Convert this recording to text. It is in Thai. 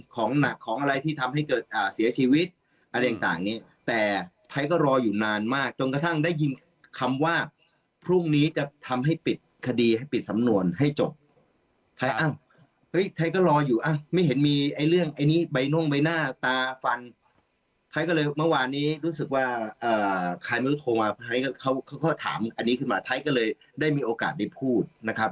ของหนักของอะไรที่ทำให้เกิดเสียชีวิตอะไรต่างนี้แต่ไทยก็รออยู่นานมากจนกระทั่งได้ยินคำว่าพรุ่งนี้จะทำให้ปิดคดีให้ปิดสำนวนให้จบไทยอ้าวเฮ้ยไทยก็รออยู่อ่ะไม่เห็นมีไอ้เรื่องไอ้นี้ใบน่งใบหน้าตาฟันไทยก็เลยเมื่อวานนี้รู้สึกว่าใครไม่รู้โทรมาไทยเขาก็ถามอันนี้ขึ้นมาไทยก็เลยได้มีโอกาสได้พูดนะครับ